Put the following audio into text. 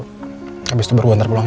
habis itu baru gue hantar pulang ya